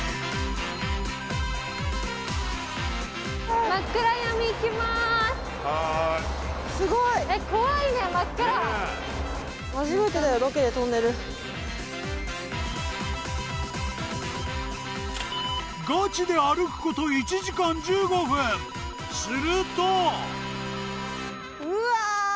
はーいすごいガチで歩くこと１時間１５分するとうわ